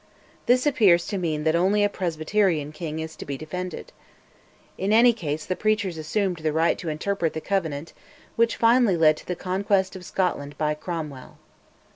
This appears to mean that only a presbyterian king is to be defended. In any case the preachers assumed the right to interpret the Covenant, which finally led to the conquest of Scotland by Cromwell.